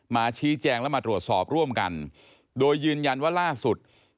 มาชี้แจงและมาตรวจสอบร่วมกันโดยยืนยันว่าล่าสุด